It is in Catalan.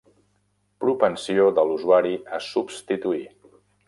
Propensió de l'usuari a substituir.